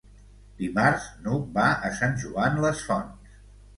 Dimarts n'Hug va a Sant Joan les Fonts.